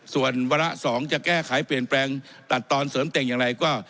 ส่วนวาระ๒จะแก้ไขเปลี่ยนแปลงตัดตอนเสริมเต่งอย่างไรก็